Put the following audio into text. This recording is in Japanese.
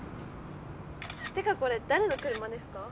てかこれ誰の車ですか？